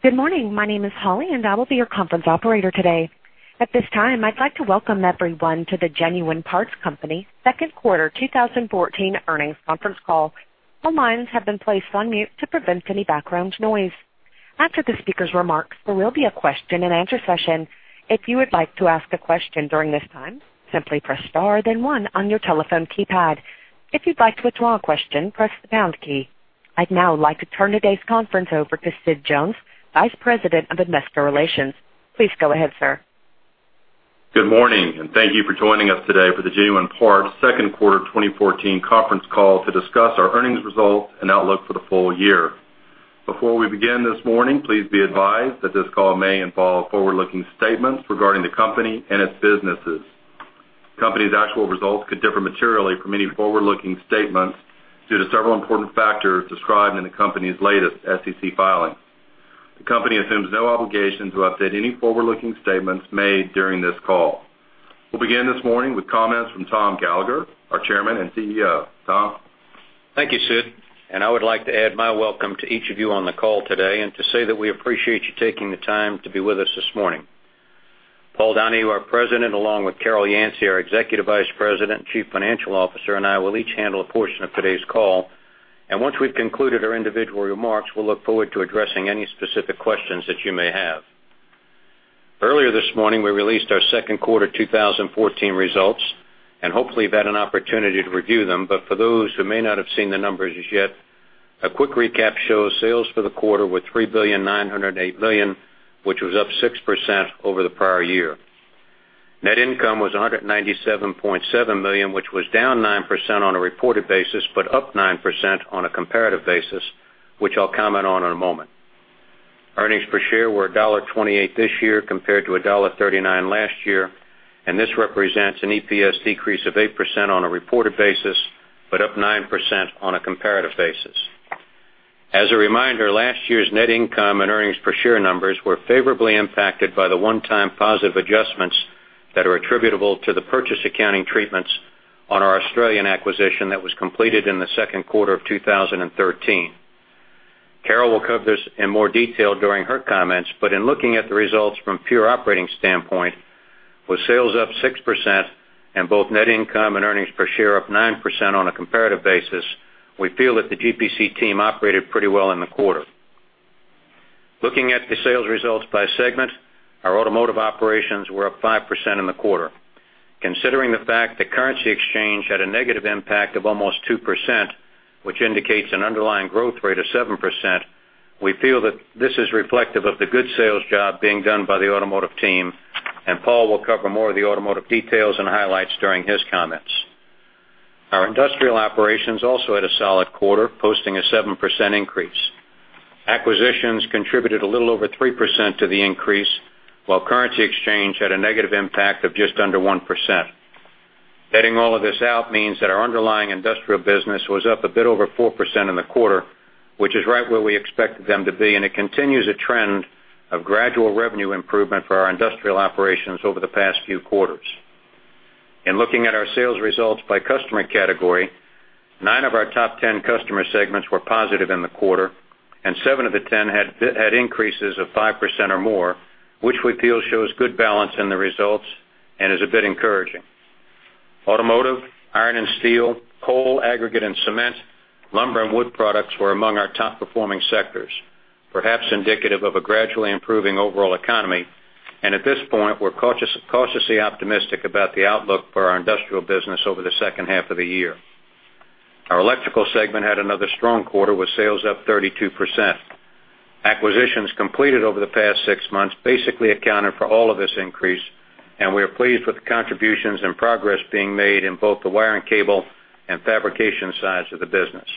Good morning. My name is Holly, and I will be your conference operator today. At this time, I'd like to welcome everyone to the Genuine Parts Company second quarter 2014 earnings conference call. All lines have been placed on mute to prevent any background noise. After the speaker's remarks, there will be a question and answer session. If you would like to ask a question during this time, simply press star then one on your telephone keypad. If you'd like to withdraw a question, press the pound key. I'd now like to turn today's conference over to Sid Jones, Vice President of Investor Relations. Please go ahead, sir. Good morning. Thank you for joining us today for the Genuine Parts second quarter 2014 conference call to discuss our earnings results and outlook for the full year. Before we begin this morning, please be advised that this call may involve forward-looking statements regarding the company and its businesses. Company's actual results could differ materially from any forward-looking statements due to several important factors described in the company's latest SEC filings. The company assumes no obligation to update any forward-looking statements made during this call. We'll begin this morning with comments from Tom Gallagher, our Chairman and CEO. Tom? Thank you, Sid. I would like to add my welcome to each of you on the call today and to say that we appreciate you taking the time to be with us this morning. Paul Donahue, our President, along with Carol Yancey, our Executive Vice President and Chief Financial Officer, and I will each handle a portion of today's call. Once we've concluded our individual remarks, we'll look forward to addressing any specific questions that you may have. Earlier this morning, we released our second quarter 2014 results, and hopefully you've had an opportunity to review them. For those who may not have seen the numbers as yet, a quick recap shows sales for the quarter were $3,908 million, which was up 6% over the prior year. Net income was $197.7 million, which was down 9% on a reported basis, but up 9% on a comparative basis, which I'll comment on in a moment. Earnings per share were $1.28 this year compared to $1.39 last year, and this represents an EPS decrease of 8% on a reported basis, but up 9% on a comparative basis. As a reminder, last year's net income and earnings per share numbers were favorably impacted by the one-time positive adjustments that are attributable to the purchase accounting treatments on our Australian acquisition that was completed in the second quarter of 2013. Carol will cover this in more detail during her comments, but in looking at the results from pure operating standpoint, with sales up 6% and both net income and earnings per share up 9% on a comparative basis, we feel that the GPC team operated pretty well in the quarter. Looking at the sales results by segment, our automotive operations were up 5% in the quarter. Considering the fact that currency exchange had a negative impact of almost 2%, which indicates an underlying growth rate of 7%, we feel that this is reflective of the good sales job being done by the automotive team, Paul will cover more of the automotive details and highlights during his comments. Our industrial operations also had a solid quarter, posting a 7% increase. Acquisitions contributed a little over 3% to the increase, while currency exchange had a negative impact of just under 1%. Netting all of this out means that our underlying industrial business was up a bit over 4% in the quarter, which is right where we expected them to be, it continues a trend of gradual revenue improvement for our industrial operations over the past few quarters. In looking at our sales results by customer category, nine of our top 10 customer segments were positive in the quarter, seven of the 10 had increases of 5% or more, which we feel shows good balance in the results and is a bit encouraging. Automotive, iron and steel, coal, aggregate and cement, lumber and wood products were among our top-performing sectors, perhaps indicative of a gradually improving overall economy. At this point, we're cautiously optimistic about the outlook for our industrial business over the second half of the year. Our electrical segment had another strong quarter with sales up 32%. Acquisitions completed over the past six months basically accounted for all of this increase, we are pleased with the contributions and progress being made in both the wiring cable and fabrication sides of the business.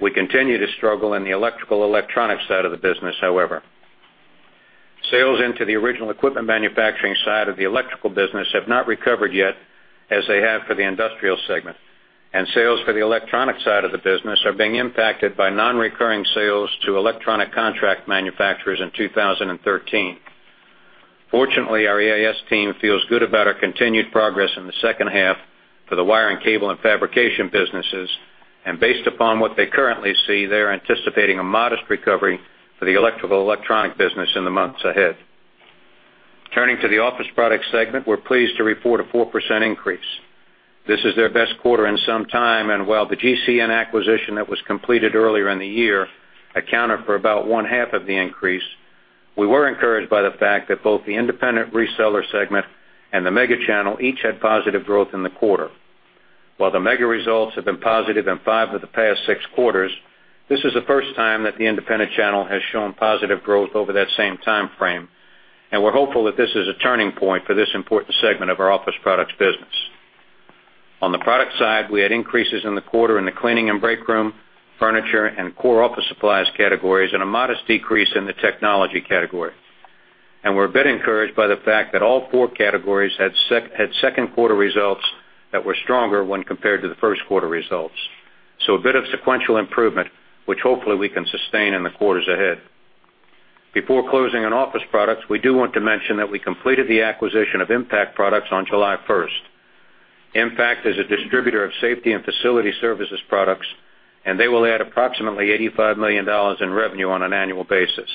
We continue to struggle in the electrical/electronics side of the business, however. Sales into the original equipment manufacturing side of the electrical business have not recovered yet as they have for the industrial segment, sales for the electronic side of the business are being impacted by non-recurring sales to electronic contract manufacturers in 2013. Fortunately, our EIS team feels good about our continued progress in the second half for the wiring cable and fabrication businesses. Based upon what they currently see, they're anticipating a modest recovery for the electrical/electronic business in the months ahead. Turning to the office product segment, we're pleased to report a 4% increase. This is their best quarter in some time, while the GCN acquisition that was completed earlier in the year accounted for about one-half of the increase, we were encouraged by the fact that both the independent reseller segment and the mega channel each had positive growth in the quarter. While the mega results have been positive in five of the past six quarters, this is the first time that the independent channel has shown positive growth over that same time frame. We're hopeful that this is a turning point for this important segment of our office products business. On the product side, we had increases in the quarter in the cleaning and breakroom, furniture, and core office supplies categories and a modest decrease in the technology category. We're a bit encouraged by the fact that all four categories had second quarter results that were stronger when compared to the first quarter results. A bit of sequential improvement, which hopefully we can sustain in the quarters ahead. Before closing on office products, we do want to mention that we completed the acquisition of Impact Products on July 1st. Impact is a distributor of safety and facility services products, and they will add approximately $85 million in revenue on an annual basis.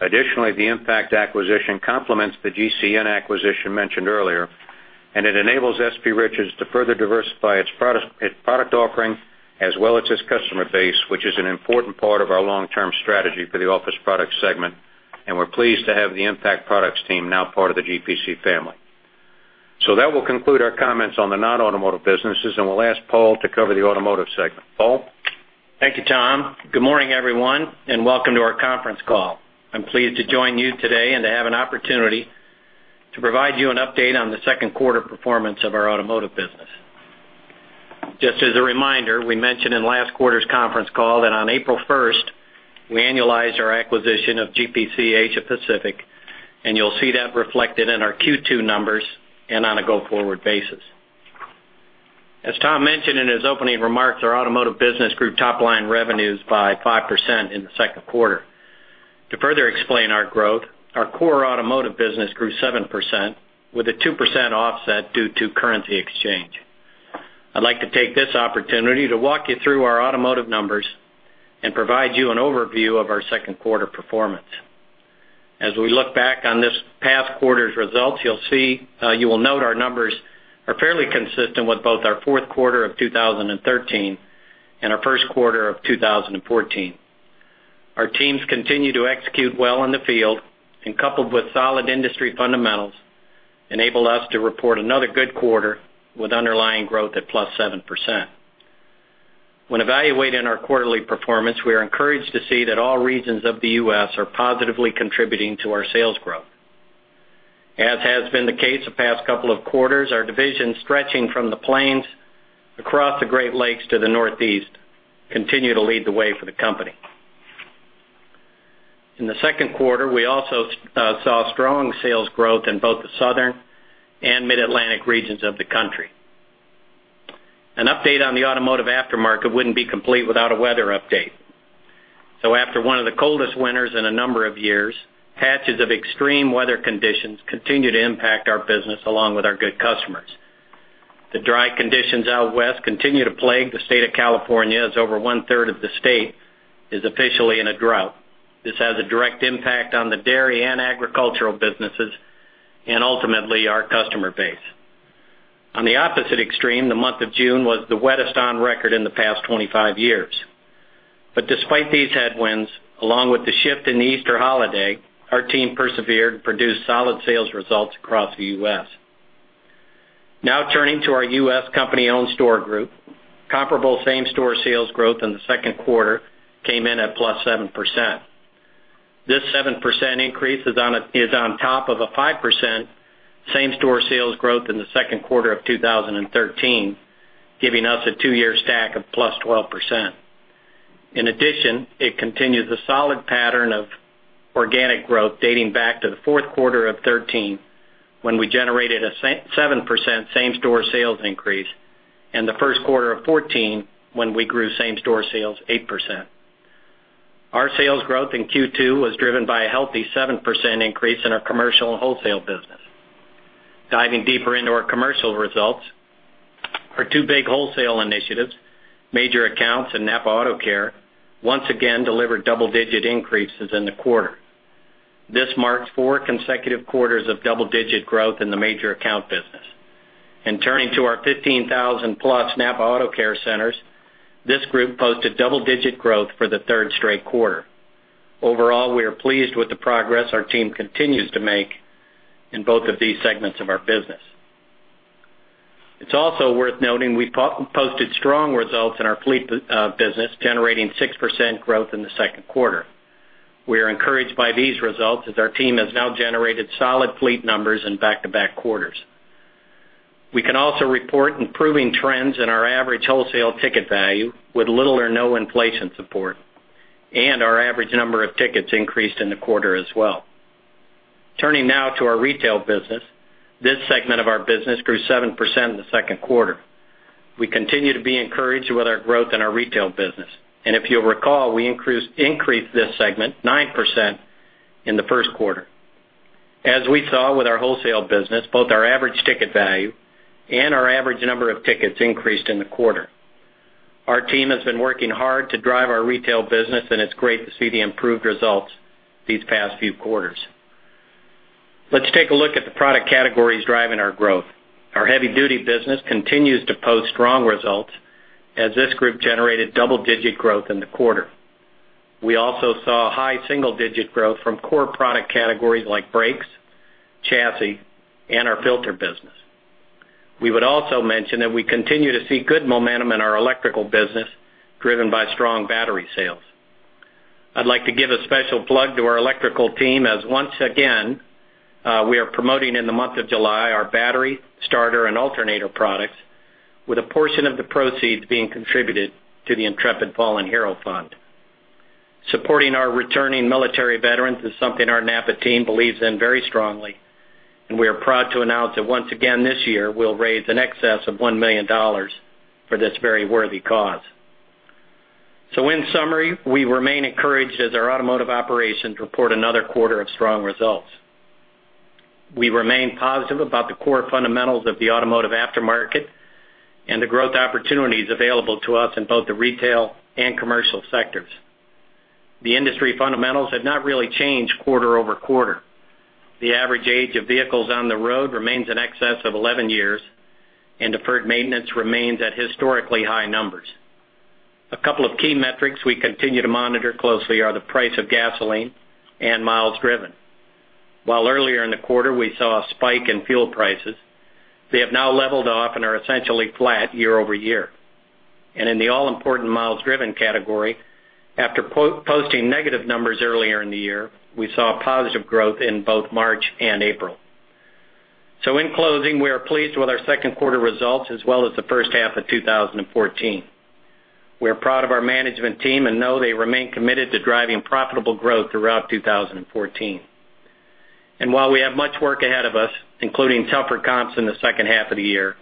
Additionally, the Impact acquisition complements the GCN acquisition mentioned earlier, and it enables S.P. Richards to further diversify its product offering as well as its customer base, which is an important part of our long-term strategy for the office product segment, and we're pleased to have the Impact Products team now part of the GPC family. That will conclude our comments on the non-automotive businesses, and we'll ask Paul to cover the automotive segment. Paul? Thank you, Tom. Good morning, everyone, and welcome to our conference call. I'm pleased to join you today and to have an opportunity to provide you an update on the second quarter performance of our automotive business. Just as a reminder, we mentioned in last quarter's conference call that on April 1st, we annualized our acquisition of GPC Asia Pacific, and you'll see that reflected in our Q2 numbers and on a go-forward basis. As Tom mentioned in his opening remarks, our automotive business grew top-line revenues by 5% in the second quarter. To further explain our growth, our core automotive business grew 7% with a 2% offset due to currency exchange. I'd like to take this opportunity to walk you through our automotive numbers and provide you an overview of our second quarter performance. We look back on this past quarter's results, you will note our numbers are fairly consistent with both our fourth quarter of 2013 and our first quarter of 2014. Our teams continue to execute well in the field, and coupled with solid industry fundamentals, enable us to report another good quarter with underlying growth at plus 7%. When evaluating our quarterly performance, we are encouraged to see that all regions of the U.S. are positively contributing to our sales growth. As has been the case the past couple of quarters, our divisions stretching from the plains across the Great Lakes to the Northeast continue to lead the way for the company. In the second quarter, we also saw strong sales growth in both the Southern and Mid-Atlantic regions of the country. An update on the automotive aftermarket wouldn't be complete without a weather update. After one of the coldest winters in a number of years, patches of extreme weather conditions continue to impact our business along with our good customers. The dry conditions out West continue to plague the state of California, as over one-third of the state is officially in a drought. This has a direct impact on the dairy and agricultural businesses and ultimately our customer base. On the opposite extreme, the month of June was the wettest on record in the past 25 years. Despite these headwinds, along with the shift in the Easter holiday, our team persevered and produced solid sales results across the U.S. Turning to our U.S. company-owned store group. Comparable same-store sales growth in the second quarter came in at +7%. This 7% increase is on top of a 5% same-store sales growth in the second quarter of 2013, giving us a two-year stack of +12%. Addition, it continues a solid pattern of organic growth dating back to the fourth quarter of 2013, when we generated a 7% same-store sales increase, and the first quarter of 2014, when we grew same-store sales 8%. Our sales growth in Q2 was driven by a healthy 7% increase in our commercial and wholesale business. Diving deeper into our commercial results, our two big wholesale initiatives, Major Accounts and NAPA AutoCare, once again delivered double-digit increases in the quarter. This marks four consecutive quarters of double-digit growth in the Major Account business. Turning to our 15,000-plus NAPA AutoCare centers, this group posted double-digit growth for the third straight quarter. Overall, we are pleased with the progress our team continues to make in both of these segments of our business. It's also worth noting we posted strong results in our fleet business, generating 6% growth in the second quarter. We are encouraged by these results as our team has now generated solid fleet numbers in back-to-back quarters. We can also report improving trends in our average wholesale ticket value with little or no inflation support, and our average number of tickets increased in the quarter as well. Turning to our retail business. This segment of our business grew 7% in the second quarter. We continue to be encouraged with our growth in our retail business, and if you'll recall, we increased this segment 9% in the first quarter. As we saw with our wholesale business, both our average ticket value and our average number of tickets increased in the quarter. Our team has been working hard to drive our retail business, and it's great to see the improved results these past few quarters. Let's take a look at the product categories driving our growth. Our heavy-duty business continues to post strong results as this group generated double-digit growth in the quarter. We also saw high single-digit growth from core product categories like brakes, chassis, and our filter business. We would also mention that we continue to see good momentum in our electrical business, driven by strong battery sales. I'd like to give a special plug to our electrical team, as once again, we are promoting in the month of July our battery, starter, and alternator products with a portion of the proceeds being contributed to the Intrepid Fallen Heroes Fund. Supporting our returning military veterans is something our NAPA team believes in very strongly. We are proud to announce that once again this year, we'll raise in excess of $1 million for this very worthy cause. In summary, we remain encouraged as our automotive operations report another quarter of strong results. We remain positive about the core fundamentals of the automotive aftermarket and the growth opportunities available to us in both the retail and commercial sectors. The industry fundamentals have not really changed quarter-over-quarter. The average age of vehicles on the road remains in excess of 11 years, and deferred maintenance remains at historically high numbers. A couple of key metrics we continue to monitor closely are the price of gasoline and miles driven. While earlier in the quarter we saw a spike in fuel prices, they have now leveled off and are essentially flat year-over-year. In the all-important miles driven category, after posting negative numbers earlier in the year, we saw positive growth in both March and April. In closing, we are pleased with our second quarter results, as well as the first half of 2014. We are proud of our management team and know they remain committed to driving profitable growth throughout 2014. While we have much work ahead of us, including tougher comps in the second half of the year,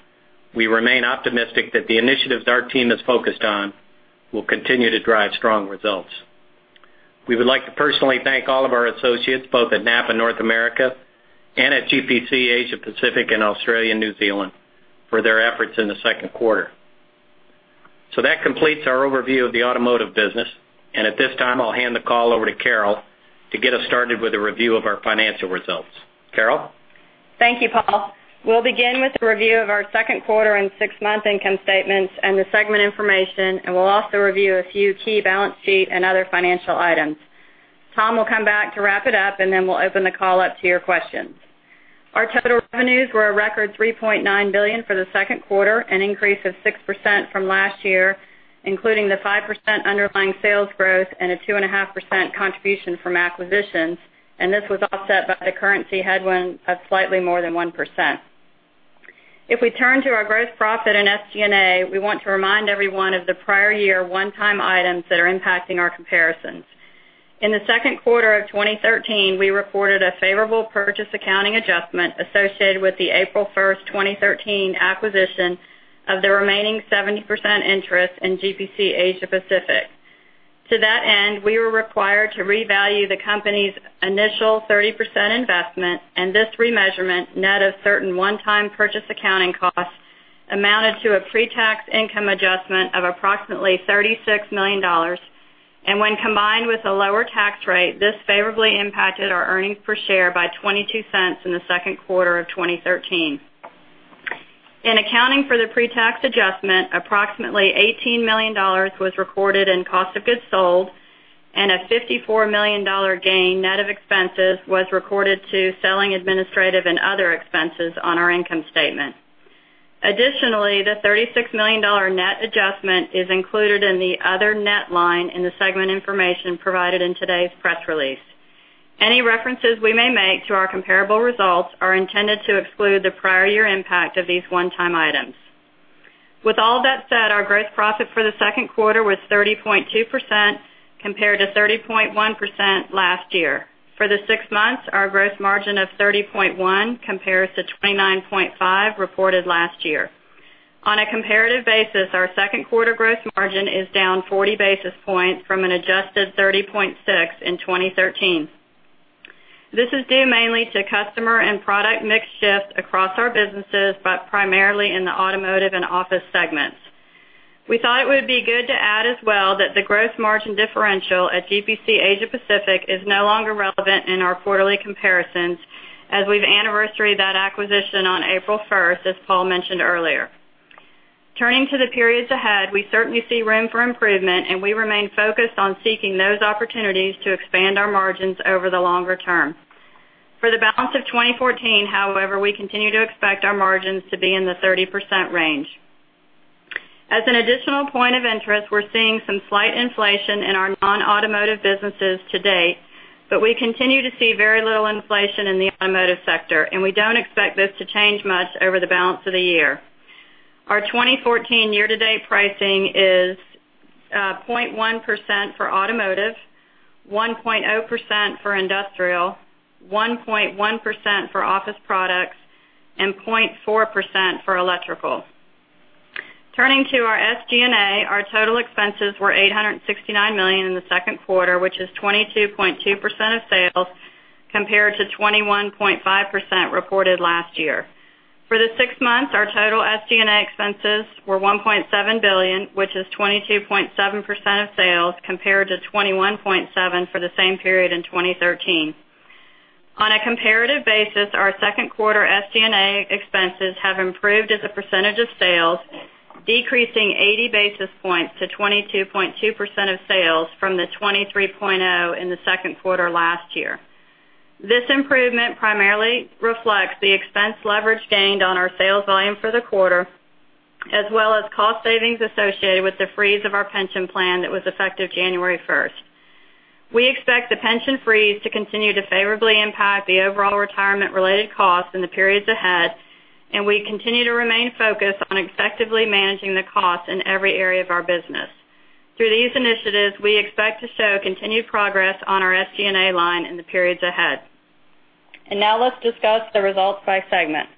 we remain optimistic that the initiatives our team is focused on will continue to drive strong results. We would like to personally thank all of our associates, both at NAPA North America and at GPC Asia Pacific and Australia and New Zealand, for their efforts in the second quarter. That completes our overview of the automotive business. At this time, I'll hand the call over to Carol to get us started with a review of our financial results. Carol? Thank you, Paul. We'll begin with a review of our second quarter and six-month income statements and the segment information. We'll also review a few key balance sheet and other financial items. Tom will come back to wrap it up. Then we'll open the call up to your questions. Our total revenues were a record $3.9 billion for the second quarter, an increase of 6% from last year, including the 5% underlying sales growth and a 2.5% contribution from acquisitions. This was offset by the currency headwind of slightly more than 1%. If we turn to our gross profit and SG&A, we want to remind everyone of the prior year one-time items that are impacting our comparisons. In the second quarter of 2013, we reported a favorable purchase accounting adjustment associated with the April 1st, 2013, acquisition of the remaining 70% interest in GPC Asia Pacific. To that end, we were required to revalue the company's initial 30% investment, and this remeasurement, net of certain one-time purchase accounting costs, amounted to a pre-tax income adjustment of approximately $36 million. When combined with a lower tax rate, this favorably impacted our earnings per share by $0.22 in the second quarter of 2013. In accounting for the pre-tax adjustment, approximately $18 million was recorded in cost of goods sold and a $54 million gain net of expenses was recorded to selling, administrative and other expenses on our income statement. Additionally, the $36 million net adjustment is included in the other net line in the segment information provided in today's press release. Any references we may make to our comparable results are intended to exclude the prior year impact of these one-time items. With all that said, our gross profit for the second quarter was 30.2% compared to 30.1% last year. For the six months, our gross margin of 30.1% compares to 29.5% reported last year. On a comparative basis, our second quarter gross margin is down 40 basis points from an adjusted 30.6% in 2013. This is due mainly to customer and product mix shift across our businesses, but primarily in the automotive and office segments. We thought it would be good to add as well that the gross margin differential at GPC Asia Pacific is no longer relevant in our quarterly comparisons, as we've anniversaried that acquisition on April 1st, as Paul mentioned earlier. Turning to the periods ahead, we certainly see room for improvement, and we remain focused on seeking those opportunities to expand our margins over the longer term. For the balance of 2014, however, we continue to expect our margins to be in the 30% range. As an additional point of interest, we're seeing some slight inflation in our non-automotive businesses to date, but we continue to see very little inflation in the automotive sector, and we don't expect this to change much over the balance of the year. Our 2014 year-to-date pricing is 0.1% for automotive, 1.0% for industrial, 1.1% for office products, and 0.4% for electrical. Turning to our SG&A, our total expenses were $869 million in the second quarter, which is 22.2% of sales, compared to 21.5% reported last year. For the six months, our total SG&A expenses were $1.7 billion, which is 22.7% of sales, compared to 21.7% for the same period in 2013. On a comparative basis, our second quarter SG&A expenses have improved as a percentage of sales, decreasing 80 basis points to 22.2% of sales from the 23.0% in the second quarter last year. This improvement primarily reflects the expense leverage gained on our sales volume for the quarter, as well as cost savings associated with the freeze of our pension plan that was effective January 1st. We expect the pension freeze to continue to favorably impact the overall retirement-related costs in the periods ahead, and we continue to remain focused on effectively managing the costs in every area of our business. Through these initiatives, we expect to show continued progress on our SG&A line in the periods ahead. Now let's discuss the results by segment.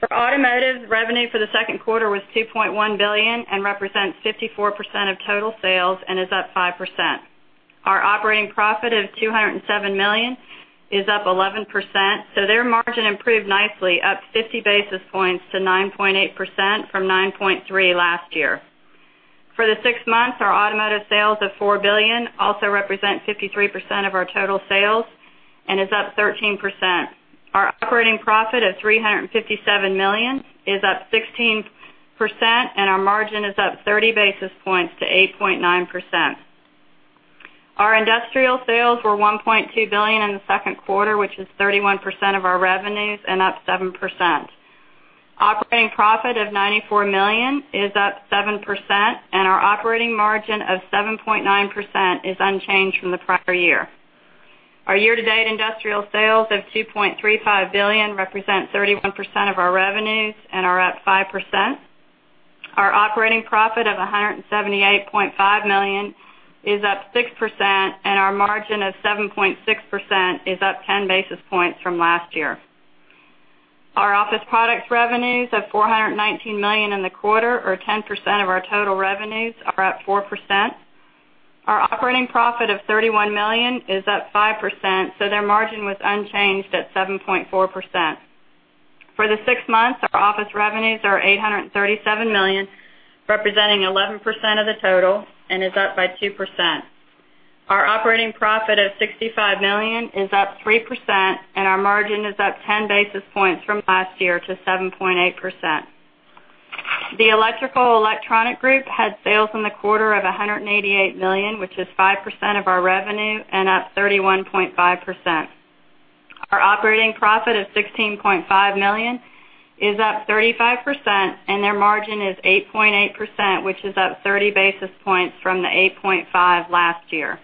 For Automotive, revenue for the second quarter was $2.1 billion and represents 54% of total sales and is up 5%. Our operating profit of $207 million is up 11%. Their margin improved nicely, up 50 basis points to 9.8% from 9.3% last year. For the six months, our Automotive sales of $4 billion also represent 53% of our total sales and is up 13%. Our operating profit of $357 million is up 16%, and our margin is up 30 basis points to 8.9%. Our Industrial sales were $1.2 billion in the second quarter, which is 31% of our revenues and up 7%. Operating profit of $94 million is up 7%, and our operating margin of 7.9% is unchanged from the prior year. Our year-to-date Industrial sales of $2.35 billion represent 31% of our revenues and are up 5%. Our operating profit of $178.5 million is up 6%, and our margin of 7.6% is up 10 basis points from last year. Our Office Products revenues of $419 million in the quarter, or 10% of our total revenues, are up 4%. Our operating profit of $31 million is up 5%. Their margin was unchanged at 7.4%. For the six months, our Office revenues are $837 million, representing 11% of the total and is up by 2%. Our operating profit of $65 million is up 3%, and our margin is up 10 basis points from last year to 7.8%. The Electrical & Electronic Group had sales in the quarter of $188 million, which is 5% of our revenue and up 31.5%. Our operating profit of $16.5 million is up 35%, and their margin is 8.8%, which is up 30 basis points from the 8.5% last year.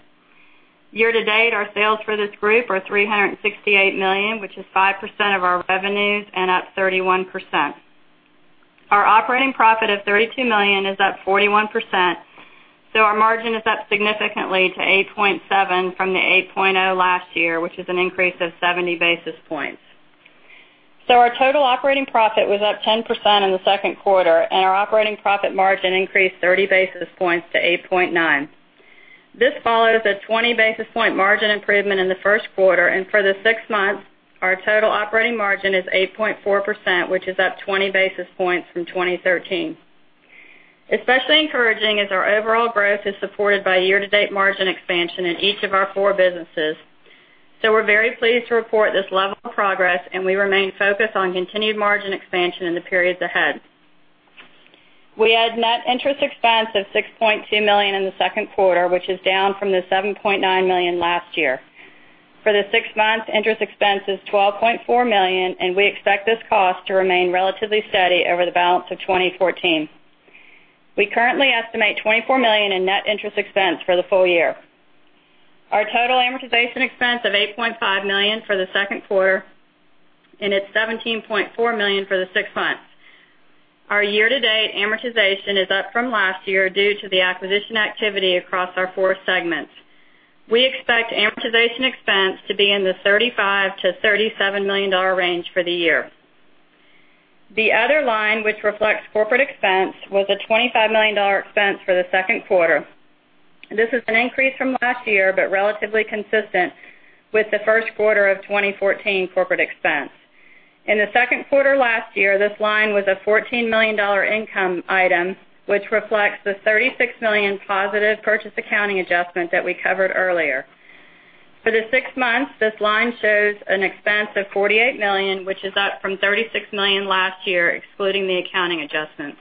Year-to-date, our sales for this group are $368 million, which is 5% of our revenues and up 31%. Our operating profit of $32 million is up 41%. Our margin is up significantly to 8.7% from the 8.0% last year, which is an increase of 70 basis points. Our total operating profit was up 10% in the second quarter, and our operating profit margin increased 30 basis points to 8.9%. This follows a 20 basis point margin improvement in the first quarter, and for the six months, our total operating margin is 8.4%, which is up 20 basis points from 2013. Especially encouraging is our overall growth is supported by year-to-date margin expansion in each of our four businesses. We're very pleased to report this level of progress, and we remain focused on continued margin expansion in the periods ahead. We had net interest expense of $6.2 million in the second quarter, which is down from the $7.9 million last year. For the six months, interest expense is $12.4 million, and we expect this cost to remain relatively steady over the balance of 2014. We currently estimate $24 million in net interest expense for the full year. Our total amortization expense of $8.5 million for the second quarter, and it's $17.4 million for the six months. Our year-to-date amortization is up from last year due to the acquisition activity across our four segments. We expect amortization expense to be in the $35 million-$37 million range for the year. The other line, which reflects corporate expense, was a $25 million expense for the second quarter. This is an increase from last year, but relatively consistent with the first quarter of 2014 corporate expense. In the second quarter last year, this line was a $14 million income item, which reflects the $36 million positive purchase accounting adjustment that we covered earlier. For the six months, this line shows an expense of $48 million, which is up from $36 million last year, excluding the accounting adjustments.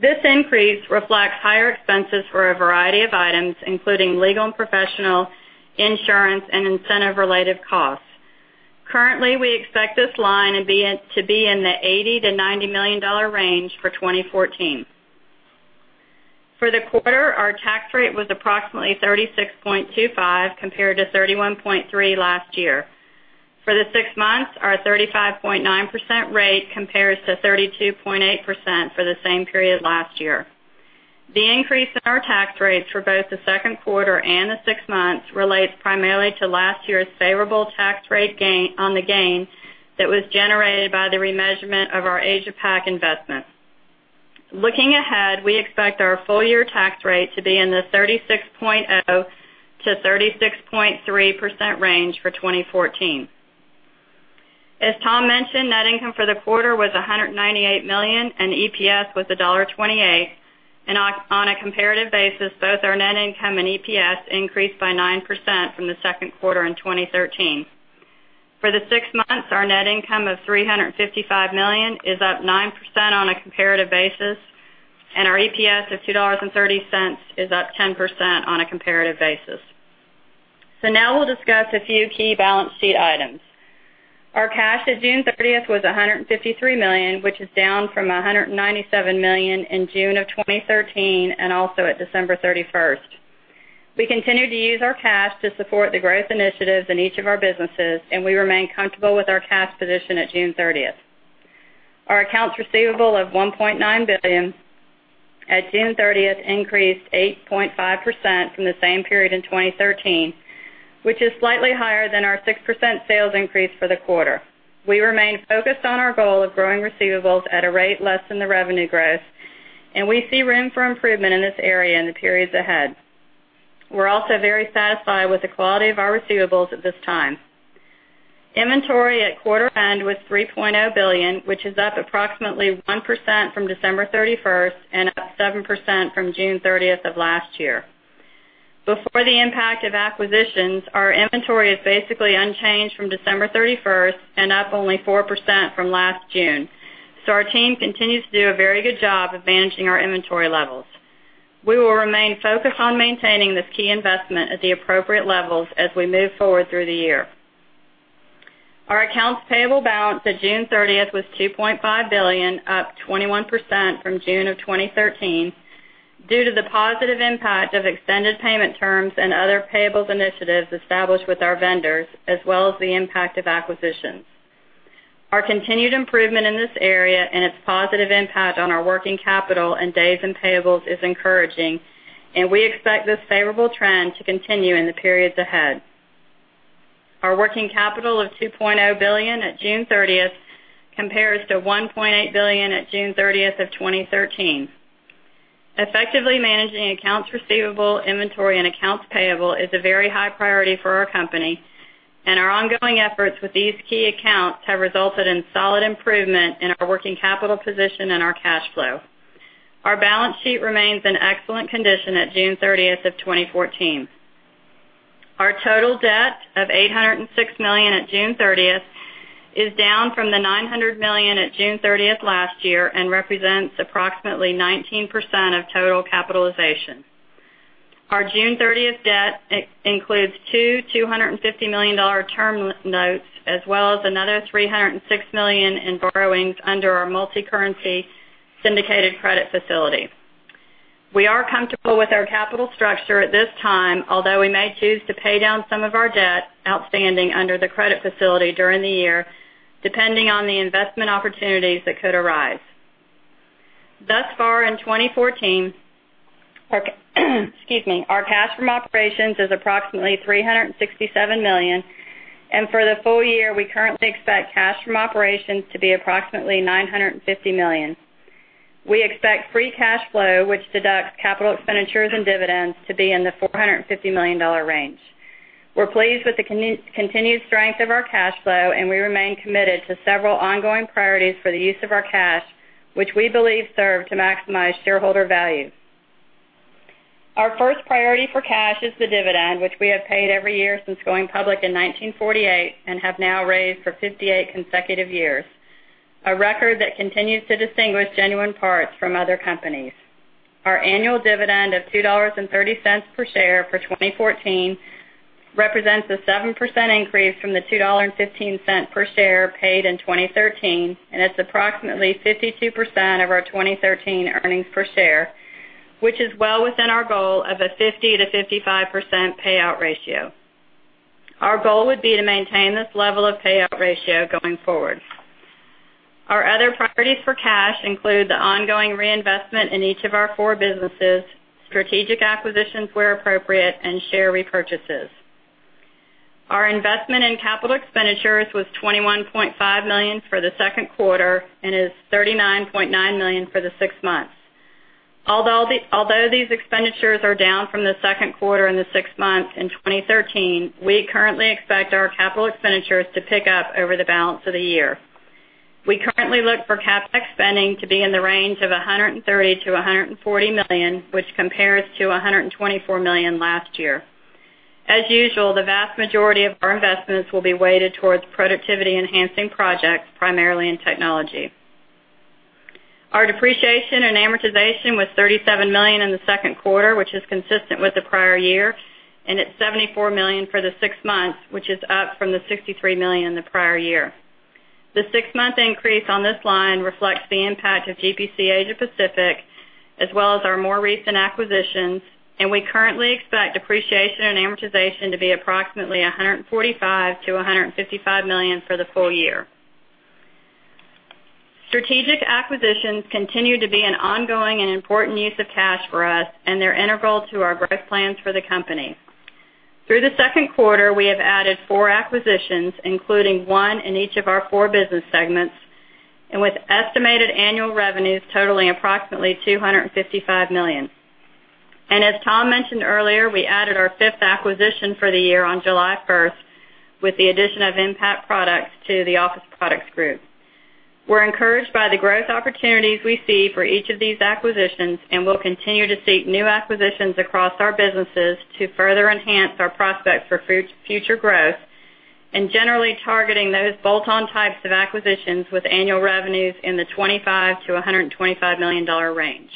This increase reflects higher expenses for a variety of items, including legal and professional, insurance, and incentive-related costs. Currently, we expect this line to be in the $80 million-$90 million range for 2014. For the quarter, our tax rate was approximately 36.25%, compared to 31.3% last year. For the six months, our 35.9% rate compares to 32.8% for the same period last year. The increase in our tax rates for both the second quarter and the six months relates primarily to last year's favorable tax rate on the gain that was generated by the remeasurement of our Asia-Pac investment. Looking ahead, we expect our full-year tax rate to be in the 36.0%-36.3% range for 2014. As Tom mentioned, net income for the quarter was $198 million, and EPS was $1.28. On a comparative basis, both our net income and EPS increased by 9% from the second quarter in 2013. For the six months, our net income of $355 million is up 9% on a comparative basis, and our EPS of $2.30 is up 10% on a comparative basis. Now we'll discuss a few key balance sheet items. Our cash at June 30th was $153 million, which is down from $197 million in June of 2013, and also at December 31st. We continue to use our cash to support the growth initiatives in each of our businesses, and we remain comfortable with our cash position at June 30th. Our accounts receivable of $1.9 billion at June 30th increased 8.5% from the same period in 2013, which is slightly higher than our 6% sales increase for the quarter. We remain focused on our goal of growing receivables at a rate less than the revenue growth, and we see room for improvement in this area in the periods ahead. We're also very satisfied with the quality of our receivables at this time. Inventory at quarter end was $3.0 billion, which is up approximately 1% from December 31st and up 7% from June 30th of last year. Before the impact of acquisitions, our inventory is basically unchanged from December 31st and up only 4% from last June. Our team continues to do a very good job of managing our inventory levels. We will remain focused on maintaining this key investment at the appropriate levels as we move forward through the year. Our accounts payable balance at June 30th was $2.5 billion, up 21% from June of 2013 due to the positive impact of extended payment terms and other payables initiatives established with our vendors, as well as the impact of acquisitions. Our continued improvement in this area and its positive impact on our working capital and days in payables is encouraging, and we expect this favorable trend to continue in the periods ahead. Our working capital of $2.0 billion at June 30th compares to $1.8 billion at June 30th of 2013. Effectively managing accounts receivable, inventory, and accounts payable is a very high priority for our company, and our ongoing efforts with these key accounts have resulted in solid improvement in our working capital position and our cash flow. Our balance sheet remains in excellent condition at June 30th of 2014. Our total debt of $806 million at June 30th is down from the $900 million at June 30th last year and represents approximately 19% of total capitalization. Our June 30th debt includes two $250 million term notes as well as another $306 million in borrowings under our multi-currency syndicated credit facility. We are comfortable with our capital structure at this time, although we may choose to pay down some of our debt outstanding under the credit facility during the year, depending on the investment opportunities that could arise. Thus far in 2014, our cash from operations is approximately $367 million, and for the full year, we currently expect cash from operations to be approximately $950 million. We expect free cash flow, which deducts capital expenditures and dividends, to be in the $450 million range. We're pleased with the continued strength of our cash flow. We remain committed to several ongoing priorities for the use of our cash, which we believe serve to maximize shareholder value. Our first priority for cash is the dividend, which we have paid every year since going public in 1948 and have now raised for 58 consecutive years, a record that continues to distinguish Genuine Parts from other companies. Our annual dividend of $2.30 per share for 2014 represents a 7% increase from the $2.15 per share paid in 2013. It's approximately 52% of our 2013 earnings per share, which is well within our goal of a 50%-55% payout ratio. Our goal would be to maintain this level of payout ratio going forward. Our other priorities for cash include the ongoing reinvestment in each of our four businesses, strategic acquisitions where appropriate, and share repurchases. Our investment in capital expenditures was $21.5 million for the second quarter and is $39.9 million for the six months. Although these expenditures are down from the second quarter and the six months in 2013, we currently expect our capital expenditures to pick up over the balance of the year. We currently look for CapEx spending to be in the range of $130 million-$140 million, which compares to $124 million last year. As usual, the vast majority of our investments will be weighted towards productivity-enhancing projects, primarily in technology. Our depreciation and amortization was $37 million in the second quarter, which is consistent with the prior year. It's $74 million for the six months, which is up from the $63 million the prior year. The six-month increase on this line reflects the impact of GPC Asia Pacific, as well as our more recent acquisitions. We currently expect depreciation and amortization to be approximately $145 million-$155 million for the full year. Strategic acquisitions continue to be an ongoing and important use of cash for us. They're integral to our growth plans for the company. Through the second quarter, we have added four acquisitions, including one in each of our four business segments, and with estimated annual revenues totaling approximately $255 million. As Tom mentioned earlier, we added our fifth acquisition for the year on July 1st with the addition of Impact Products to the Office Products Group. We're encouraged by the growth opportunities we see for each of these acquisitions and will continue to seek new acquisitions across our businesses to further enhance our prospects for future growth, generally targeting those bolt-on types of acquisitions with annual revenues in the $25 million-$125 million range.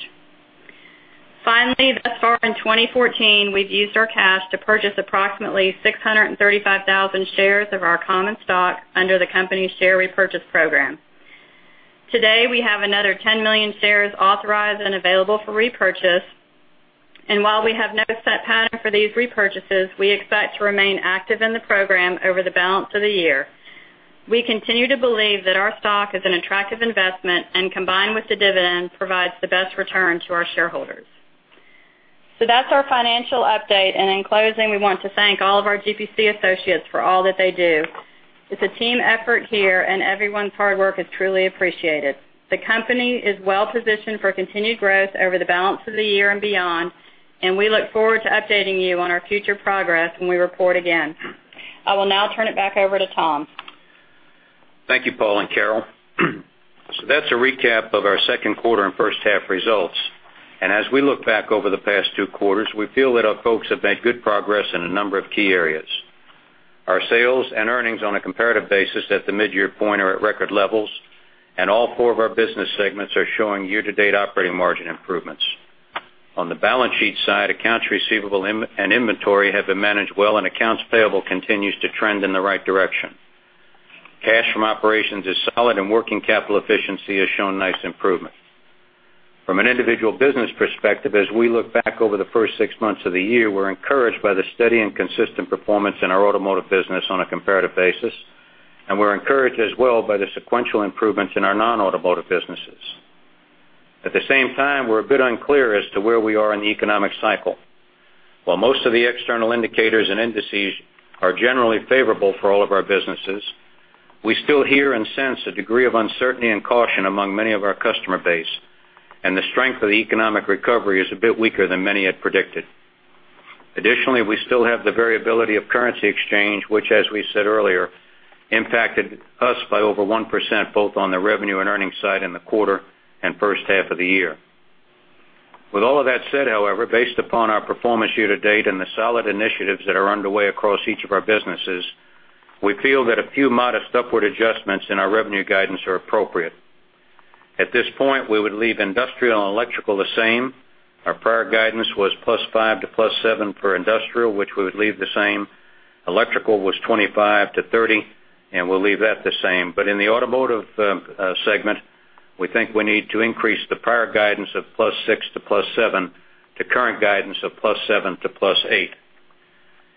Finally, thus far in 2014, we've used our cash to purchase approximately 635,000 shares of our common stock under the company's share repurchase program. Today, we have another 10 million shares authorized and available for repurchase. While we have no set pattern for these repurchases, we expect to remain active in the program over the balance of the year. We continue to believe that our stock is an attractive investment, and combined with the dividend, provides the best return to our shareholders. That's our financial update. In closing, we want to thank all of our GPC associates for all that they do. It's a team effort here, everyone's hard work is truly appreciated. The company is well-positioned for continued growth over the balance of the year and beyond, we look forward to updating you on our future progress when we report again. I will now turn it back over to Tom. Thank you, Paul and Carol. That's a recap of our second quarter and first half results. As we look back over the past two quarters, we feel that our folks have made good progress in a number of key areas. Our sales and earnings on a comparative basis at the mid-year point are at record levels, all four of our business segments are showing year-to-date operating margin improvements. On the balance sheet side, accounts receivable and inventory have been managed well, accounts payable continues to trend in the right direction. Cash from operations is solid, working capital efficiency has shown nice improvement. From an individual business perspective, as we look back over the first six months of the year, we're encouraged by the steady and consistent performance in our automotive business on a comparative basis, we're encouraged as well by the sequential improvements in our non-automotive businesses. At the same time, we're a bit unclear as to where we are in the economic cycle. Most of the external indicators and indices are generally favorable for all of our businesses, we still hear and sense a degree of uncertainty and caution among many of our customer base, the strength of the economic recovery is a bit weaker than many had predicted. Additionally, we still have the variability of currency exchange, which, as we said earlier, impacted us by over 1%, both on the revenue and earnings side in the quarter and first half of the year. With all of that said, however, based upon our performance year to date and the solid initiatives that are underway across each of our businesses, we feel that a few modest upward adjustments in our revenue guidance are appropriate. At this point, we would leave industrial and electrical the same. Our prior guidance was +5% to +7% for industrial, which we would leave the same. Electrical was 25% to 30%, and we'll leave that the same. In the automotive segment, we think we need to increase the prior guidance of +6% to +7% to current guidance of +7% to +8%.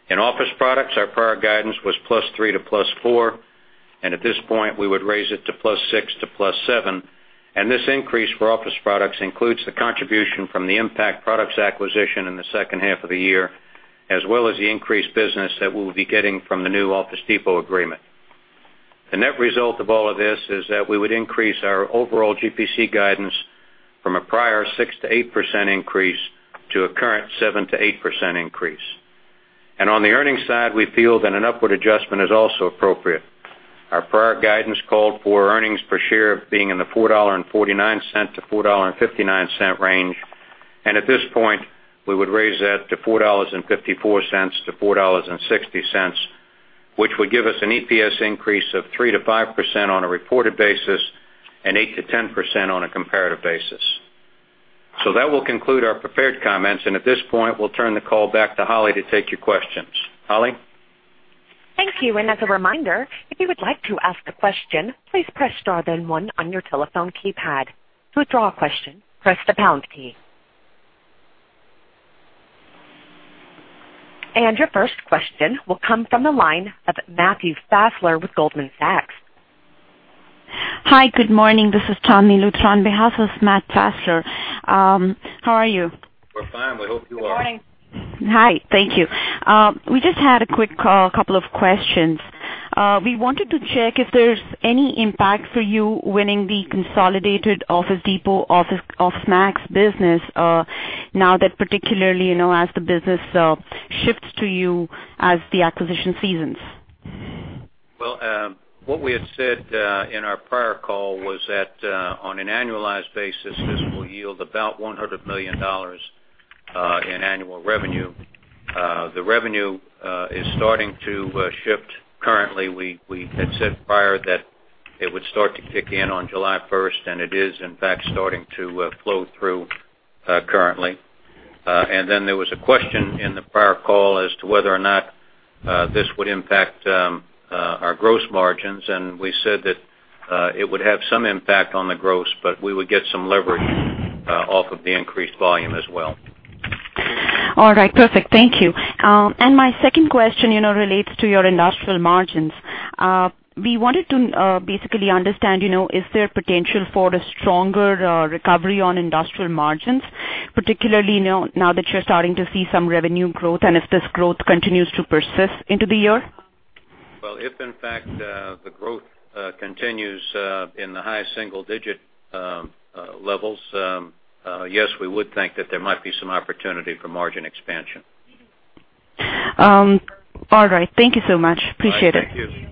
In office products, our prior guidance was +3% to +4%, and at this point, we would raise it to +6% to +7%. This increase for office products includes the contribution from the Impact Products acquisition in the second half of the year, as well as the increased business that we'll be getting from the new Office Depot agreement. The net result of all of this is that we would increase our overall GPC guidance from a prior 6%-8% increase to a current 7%-8% increase. On the earnings side, we feel that an upward adjustment is also appropriate. Our prior guidance called for earnings per share being in the $4.49-$4.59 range. At this point, we would raise that to $4.54-$4.60, which would give us an EPS increase of 3%-5% on a reported basis and 8%-10% on a comparative basis. That will conclude our prepared comments, and at this point, we'll turn the call back to Holly to take your questions. Holly? Thank you. As a reminder, if you would like to ask a question, please press star, then one on your telephone keypad. To withdraw a question, press the pound key. Your first question will come from the line of Matthew Fessler with Goldman Sachs. Hi, good morning. This is Chandni Luthra on behalf of Matt Fessler. How are you? We're fine. We hope you are. Good morning. Hi. Thank you. We just had a quick couple of questions. We wanted to check if there's any impact for you winning the consolidated Office Depot, OfficeMax business, now that particularly, as the business shifts to you as the acquisition seasons. Well, what we had said in our prior call was that, on an annualized basis, this will yield about $100 million in annual revenue. The revenue is starting to shift currently. We had said prior that it would start to kick in on July 1st, and it is, in fact, starting to flow through currently. There was a question in the prior call as to whether or not this would impact our gross margins, and we said that it would have some impact on the gross, but we would get some leverage off of the increased volume as well. All right, perfect. Thank you. My second question relates to your industrial margins. We wanted to basically understand, is there potential for a stronger recovery on industrial margins, particularly now that you're starting to see some revenue growth as this growth continues to persist into the year? Well, if in fact, the growth continues in the high single-digit levels, yes, we would think that there might be some opportunity for margin expansion. All right. Thank you so much. Appreciate it. All right. Thank you.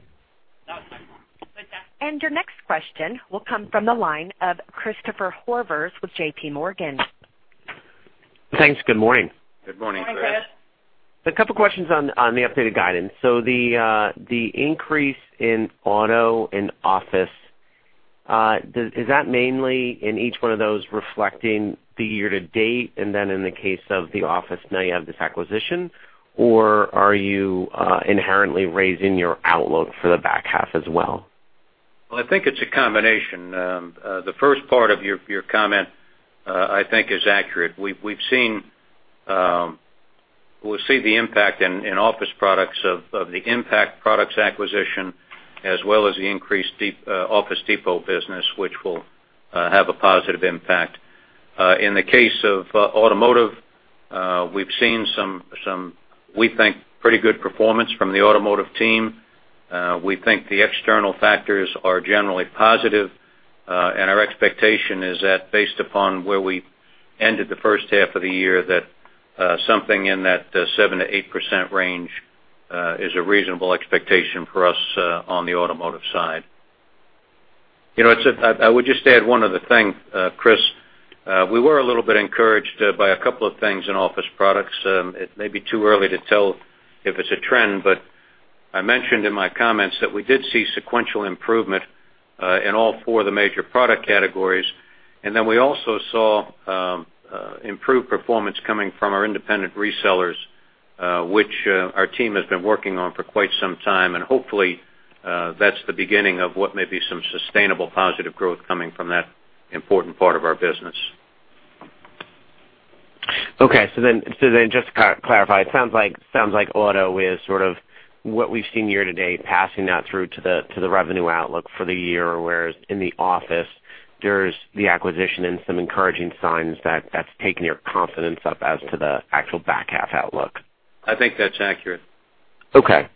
Your next question will come from the line of Christopher Horvers with JPMorgan. Thanks. Good morning. Good morning, Chris. A couple of questions on the updated guidance. The increase in auto and office, is that mainly in each one of those reflecting the year-to-date, and then in the case of the office, now you have this acquisition, or are you inherently raising your outlook for the back half as well? I think it's a combination. The first part of your comment, I think is accurate. We'll see the impact in office products of the Impact Products acquisition, as well as the increased Office Depot business, which will have a positive impact. In the case of automotive, we've seen some, we think, pretty good performance from the automotive team. We think the external factors are generally positive. Our expectation is that based upon where we ended the first half of the year, that something in that 7%-8% range, is a reasonable expectation for us on the automotive side. I would just add one other thing, Chris. We were a little bit encouraged by a couple of things in office products. It may be too early to tell if it's a trend, I mentioned in my comments that we did see sequential improvement, in all four of the major product categories. Then we also saw improved performance coming from our independent resellers, which our team has been working on for quite some time. Hopefully, that's the beginning of what may be some sustainable positive growth coming from that important part of our business. Just to clarify, it sounds like auto is sort of what we've seen year-to-date, passing that through to the revenue outlook for the year. Whereas in the office, there's the acquisition and some encouraging signs that's taken your confidence up as to the actual back half outlook. I think that's accurate. Okay.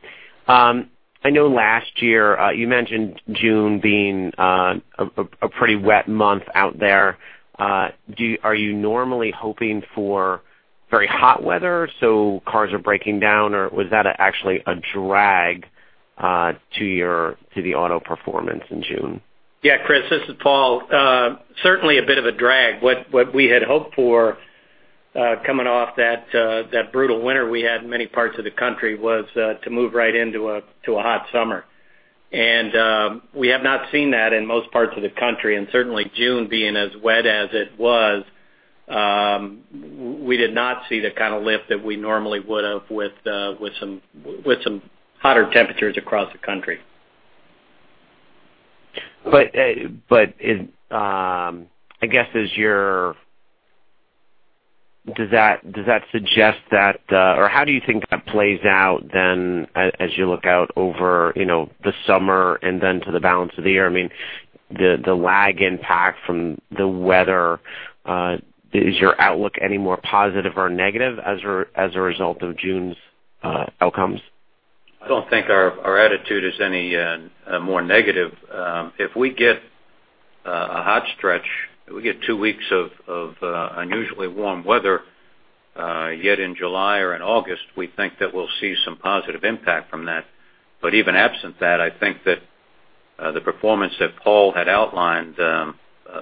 I know last year, you mentioned June being a pretty wet month out there. Are you normally hoping for very hot weather, so cars are breaking down, or was that actually a drag to the auto performance in June? Yeah, Chris, this is Paul. Certainly a bit of a drag. What we had hoped for, coming off that brutal winter we had in many parts of the country, was to move right into a hot summer. We have not seen that in most parts of the country. Certainly June being as wet as it was, we did not see the kind of lift that we normally would've with some hotter temperatures across the country. I guess, does that suggest that, or how do you think that plays out then, as you look out over the summer and then to the balance of the year? I mean, the lag impact from the weather, is your outlook any more positive or negative as a result of June's outcomes? I don't think our attitude is any more negative. If we get a hot stretch, if we get two weeks of unusually warm weather yet in July or in August, we think that we'll see some positive impact from that. Even absent that, I think that the performance that Paul Donahue had outlined,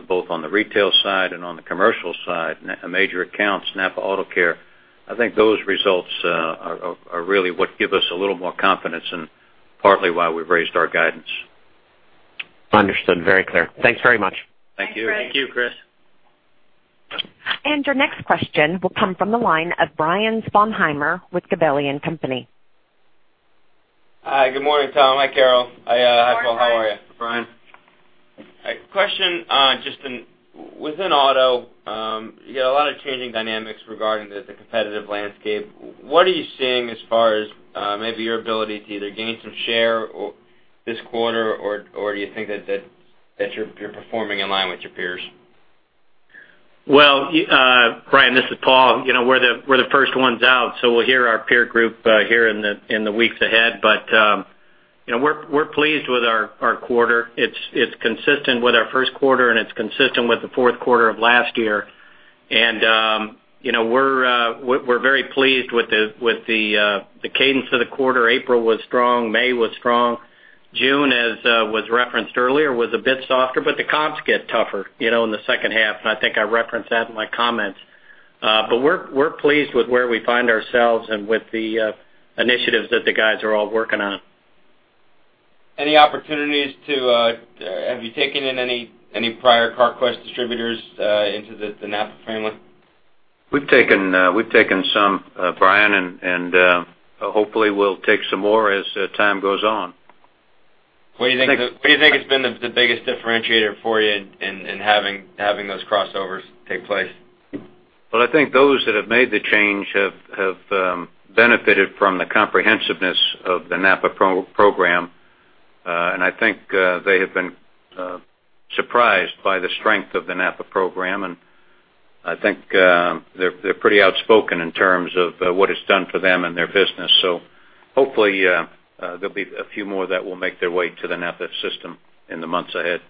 both on the retail side and on the commercial side, Major Accounts, NAPA AutoCare, I think those results are really what give us a little more confidence and partly why we've raised our guidance. Understood. Very clear. Thanks very much. Thank you. Thank you, Chris. Your next question will come from the line of Brian Sponheimer with Gabelli & Company. Hi, good morning, Tom. Hi, Carol. Hi, Paul. How are you? Brian. Question, just within auto, you got a lot of changing dynamics regarding the competitive landscape. What are you seeing as far as maybe your ability to either gain some share this quarter, or do you think that you're performing in line with your peers? Well, Brian, this is Paul. We're the first ones out, so we'll hear our peer group here in the weeks ahead. We're pleased with our quarter. It's consistent with our first quarter, and it's consistent with the fourth quarter of last year. We're very pleased with the cadence of the quarter. April was strong, May was strong. June, as was referenced earlier, was a bit softer, but the comps get tougher in the second half, and I think I referenced that in my comments. We're pleased with where we find ourselves and with the initiatives that the guys are all working on. Any opportunities have you taken in any prior Carquest distributors into the NAPA framework? We've taken some, Brian, and hopefully we'll take some more as time goes on. What do you think has been the biggest differentiator for you in having those crossovers take place? Well, I think those that have made the change have benefited from the comprehensiveness of the NAPA program. I think they have been surprised by the strength of the NAPA program, and I think they're pretty outspoken in terms of what it's done for them and their business. Hopefully, there'll be a few more that will make their way to the NAPA system in the months ahead.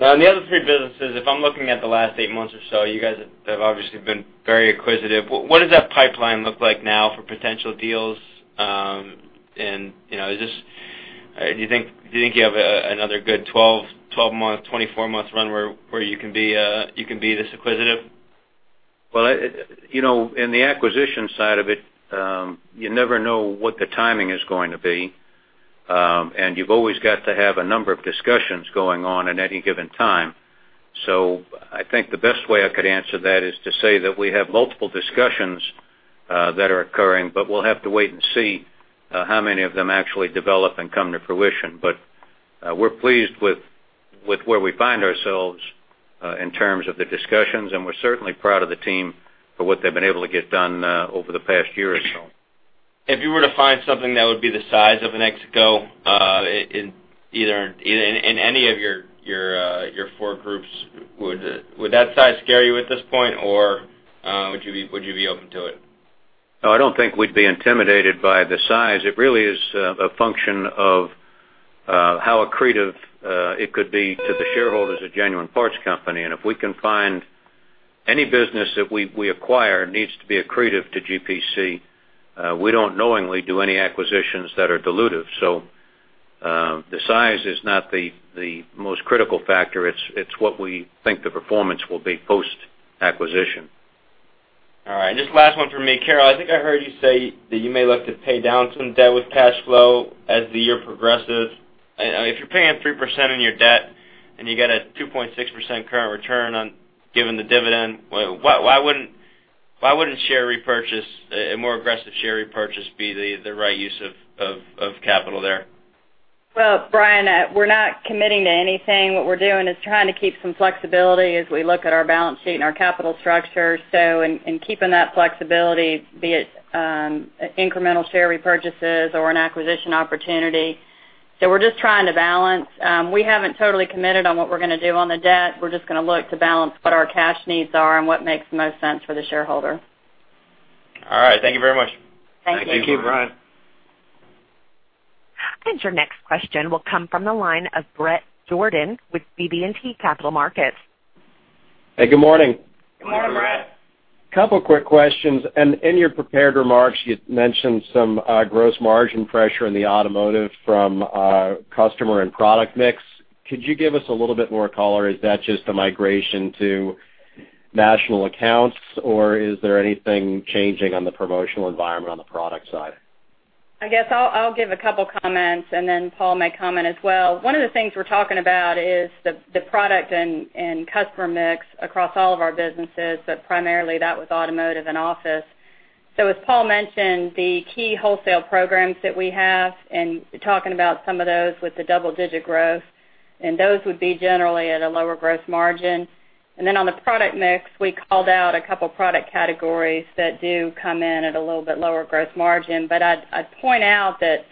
On the other three businesses, if I'm looking at the last eight months or so, you guys have obviously been very acquisitive. What does that pipeline look like now for potential deals? Do you think you have another good 12-month, 24-month run where you can be this acquisitive? Well, in the acquisition side of it, you never know what the timing is going to be. You've always got to have a number of discussions going on at any given time. I think the best way I could answer that is to say that we have multiple discussions that are occurring, but we'll have to wait and see how many of them actually develop and come to fruition. We're pleased with where we find ourselves in terms of the discussions, and we're certainly proud of the team for what they've been able to get done over the past year or so. If you were to find something that would be the size of an Exego in any of your four groups, would that size scare you at this point, or would you be open to it? No, I don't think we'd be intimidated by the size. It really is a function of how accretive it could be to the shareholders of Genuine Parts Company, and if we can find any business that we acquire needs to be accretive to GPC. We don't knowingly do any acquisitions that are dilutive. The size is not the most critical factor. It's what we think the performance will be post-acquisition. All right. Just last one for me. Carol, I think I heard you say that you may look to pay down some debt with cash flow as the year progresses. If you're paying 3% on your debt and you get a 2.6% current return given the dividend, why wouldn't a more aggressive share repurchase be the right use of capital there? Well, Brian, we're not committing to anything. What we're doing is trying to keep some flexibility as we look at our balance sheet and our capital structure. In keeping that flexibility, be it incremental share repurchases or an acquisition opportunity. We're just trying to balance. We haven't totally committed on what we're going to do on the debt. We're just going to look to balance what our cash needs are and what makes the most sense for the shareholder. All right. Thank you very much. Thank you. Thank you, Brian. Your next question will come from the line of Bret Jordan with BB&T Capital Markets. Hey, good morning. Good morning, Bret. Good morning. A couple quick questions. In your prepared remarks, you mentioned some gross margin pressure in the automotive from customer and product mix. Could you give us a little bit more color? Is that just a migration to Major Accounts, or is there anything changing on the promotional environment on the product side? I guess I'll give a couple comments, then Paul may comment as well. One of the things we're talking about is the product and customer mix across all of our businesses, but primarily that was automotive and office. As Paul mentioned, the key wholesale programs that we have, talking about some of those with the double-digit growth, those would be generally at a lower gross margin. On the product mix, we called out a couple product categories that do come in at a little bit lower gross margin. I'd point out that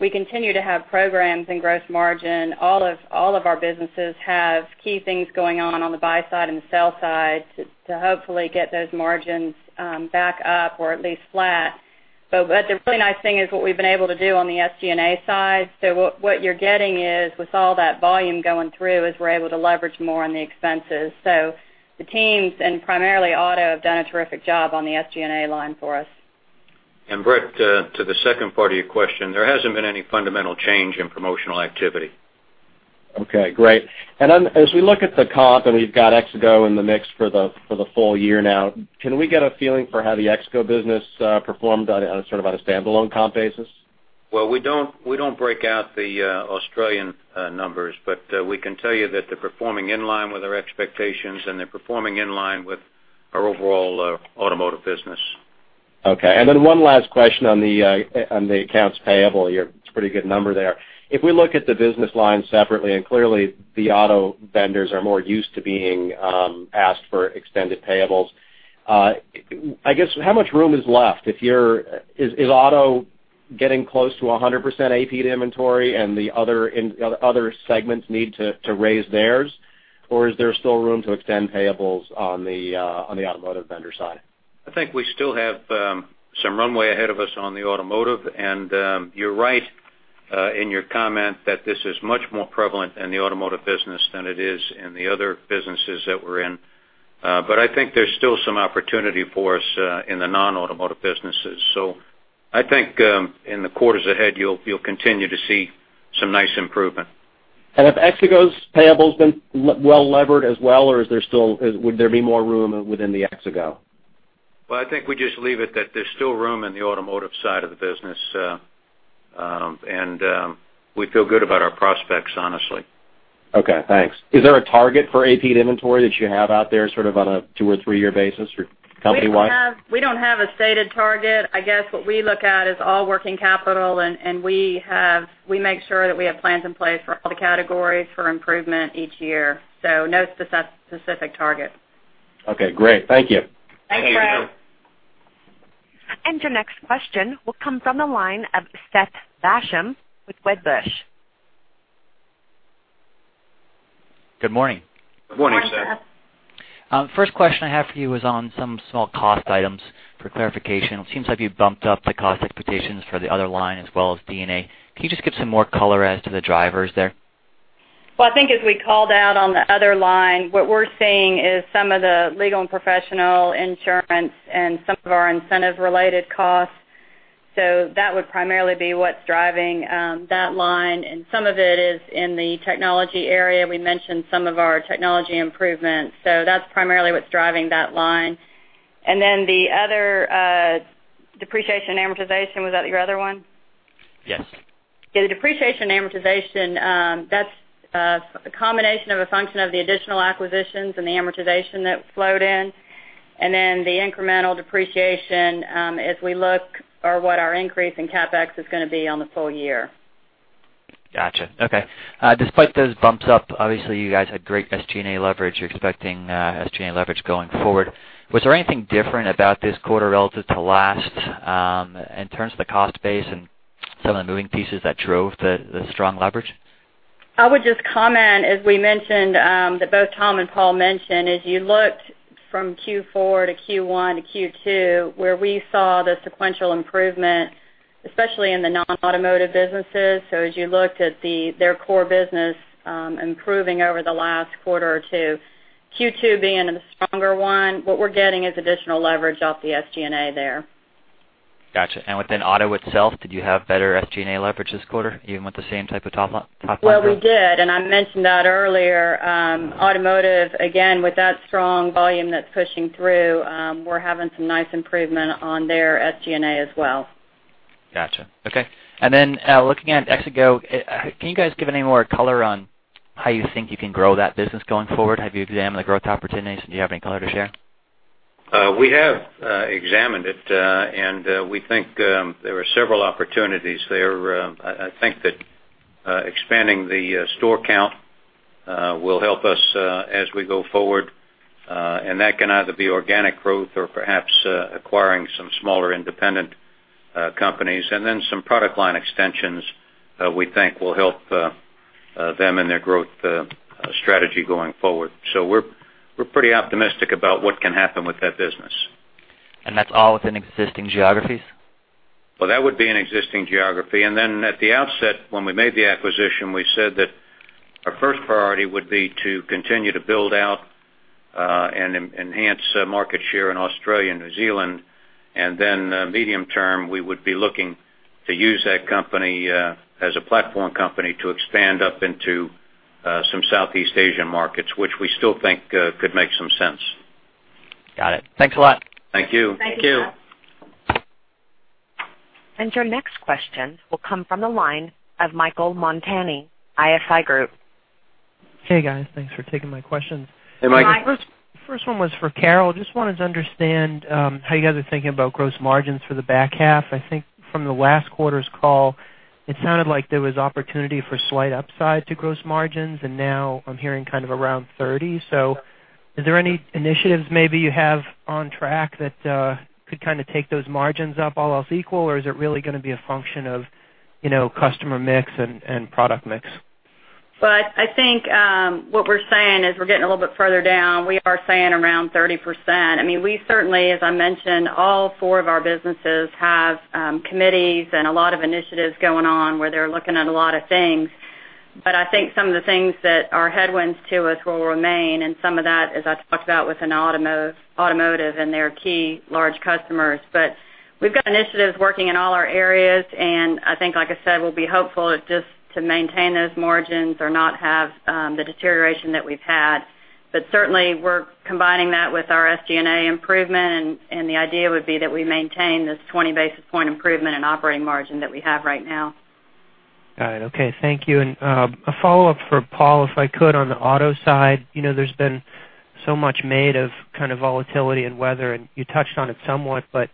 we continue to have programs in gross margin. All of our businesses have key things going on the buy side and the sell side to hopefully get those margins back up or at least flat. The really nice thing is what we've been able to do on the SG&A side. What you're getting is, with all that volume going through, we're able to leverage more on the expenses. The teams, and primarily auto, have done a terrific job on the SG&A line for us. To the second part of your question, Bret Jordan, there hasn't been any fundamental change in promotional activity. Okay, great. As we look at the comp, we've got Exego in the mix for the full year now, can we get a feeling for how the Exego business performed sort of on a standalone comp basis? Well, we don't break out the Australian numbers, we can tell you that they're performing in line with our expectations, they're performing in line with our overall automotive business. Okay. One last question on the accounts payable. It's a pretty good number there. If we look at the business lines separately, clearly the auto vendors are more used to being asked for extended payables, I guess how much room is left? Is auto getting close to 100% AP to inventory and the other segments need to raise theirs, is there still room to extend payables on the automotive vendor side? I think we still have some runway ahead of us on the automotive. You're right in your comment that this is much more prevalent in the automotive business than it is in the other businesses that we're in. I think there's still some opportunity for us in the non-automotive businesses. I think in the quarters ahead, you'll continue to see some nice improvement. Have Exego's payables been well levered as well, or would there be more room within the Exego? Well, I think we just leave it that there's still room in the automotive side of the business. We feel good about our prospects, honestly. Okay, thanks. Is there a target for AP to inventory that you have out there, sort of on a two- or three-year basis company-wide? We don't have a stated target. I guess what we look at is all working capital, and we make sure that we have plans in place for all the categories for improvement each year. No specific target. Okay, great. Thank you. Thanks, Bret. Thank you. Your next question will come from the line of Seth Basham with Wedbush. Good morning. Good morning, Seth. Good morning. First question I have for you is on some small cost items for clarification. It seems like you bumped up the cost expectations for the other line as well as D&A. Can you just give some more color as to the drivers there? Well, I think as we called out on the other line, what we're seeing is some of the legal and professional insurance and some of our incentive-related costs. That would primarily be what's driving that line, and some of it is in the technology area. We mentioned some of our technology improvements, that's primarily what's driving that line. The other depreciation and amortization, was that your other one? Yes. The depreciation and amortization, that's a combination of a function of the additional acquisitions and the amortization that flowed in, the incremental depreciation as we look or what our increase in CapEx is going to be on the full year. Got you. Okay. Despite those bumps up, obviously, you guys had great SG&A leverage. You're expecting SG&A leverage going forward. Was there anything different about this quarter relative to last, in terms of the cost base and some of the moving pieces that drove the strong leverage? I would just comment, as we mentioned, that both Tom and Paul mentioned, as you looked from Q4 to Q1 to Q2, where we saw the sequential improvement, especially in the non-automotive businesses. As you looked at their core business improving over the last quarter or two. Q2 being the stronger one. What we're getting is additional leverage off the SG&A there. Got you. Within auto itself, did you have better SG&A leverage this quarter, even with the same type of top-line growth? Well, we did, and I mentioned that earlier. Automotive, again, with that strong volume that's pushing through, we're having some nice improvement on their SG&A as well. Got you. Okay. Looking at Exego, can you guys give any more color on how you think you can grow that business going forward? Have you examined the growth opportunities? Do you have any color to share? We have examined it, we think there are several opportunities there. I think that expanding the store count will help us as we go forward. That can either be organic growth or perhaps acquiring some smaller independent companies. Some product line extensions we think will help them in their growth strategy going forward. We're pretty optimistic about what can happen with that business. That's all within existing geographies? Well, that would be an existing geography. At the outset, when we made the acquisition, we said that our first priority would be to continue to build out and enhance market share in Australia and New Zealand, medium term, we would be looking to use that company as a platform company to expand up into some Southeast Asian markets, which we still think could make some sense. Got it. Thanks a lot. Thank you. Thank you. Thank you. Your next question will come from the line of Michael Montani, ISI Group. Hey, guys. Thanks for taking my questions. Hey, Michael. Hi. First one was for Carol. Just wanted to understand how you guys are thinking about gross margins for the back half. I think from the last quarter's call, it sounded like there was opportunity for slight upside to gross margins, and now I'm hearing kind of around 30%. Is there any initiatives maybe you have on track that could kind of take those margins up all else equal, or is it really going to be a function of customer mix and product mix? Well, I think, what we're saying is we're getting a little bit further down. We are saying around 30%. We certainly, as I mentioned, all four of our businesses have committees and a lot of initiatives going on where they're looking at a lot of things. I think some of the things that are headwinds to us will remain, and some of that, as I talked about with automotive and their key large customers. We've got initiatives working in all our areas, and I think, like I said, we'll be hopeful just to maintain those margins or not have the deterioration that we've had. Certainly, we're combining that with our SG&A improvement, and the idea would be that we maintain this 20 basis point improvement in operating margin that we have right now. Got it. Okay. Thank you. A follow-up for Paul, if I could, on the auto side. There's been so much made of kind of volatility and weather, and you touched on it somewhat, but